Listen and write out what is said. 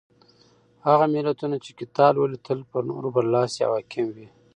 هغه ملتونه چې کتاب لولي تل پر نورو برلاسي او حاکم وي.